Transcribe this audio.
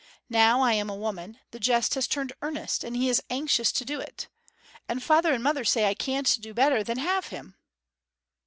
Now I am a woman the jest has turned earnest, and he is anxious to do it. And father and mother say I can't do better than have him.'